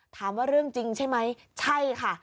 ถามว่าเรื่องจริงใช่ไหมใช่ค่ะ